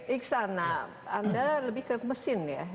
iksan anda lebih ke mesin ya